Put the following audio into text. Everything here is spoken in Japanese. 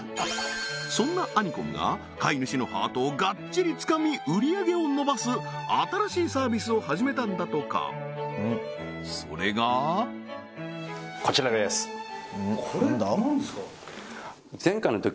そんなアニコムが飼い主のハートをがっちりつかみ売上げを伸ばす新しいサービスを始めたんだとかそれがこれ何ですか？